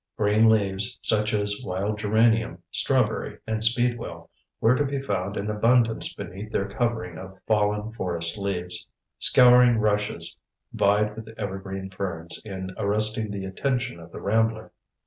Green leaves, such as wild geranium, strawberry and speedwell, were to be found in abundance beneath their covering of fallen forest leaves. Scouring rushes vied with evergreen ferns in arresting the attention of the rambler.